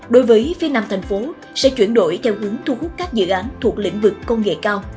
đối với phía nam thành phố sẽ chuyển đổi theo hướng thu hút các dự án thuộc lĩnh vực công nghệ cao